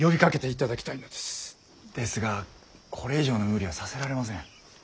ですがこれ以上の無理はさせられません。